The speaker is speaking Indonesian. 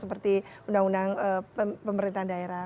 seperti undang undang pemerintahan daerah